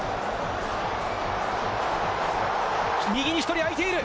右に１人空いている。